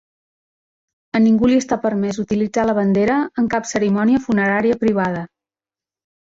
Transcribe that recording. A ningú li està permès utilitzar la bandera en cap cerimònia funerària privada.